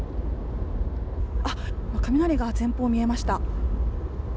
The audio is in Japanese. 今、雷が前方に見えました。